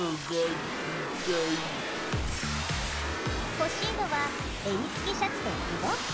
欲しいのは襟付きシャツとズボン。